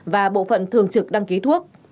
và bộ phận thường trực đăng ký thuốc